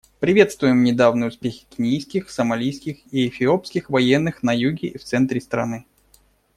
Приветствуем недавние успехи кенийских, сомалийских и эфиопских военных на юге и в центре страны.